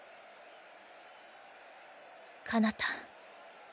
かなた